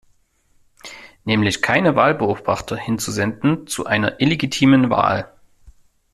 Nämlich keine Wahlbeobachter hinzusenden zu einer illegitimen Wahl!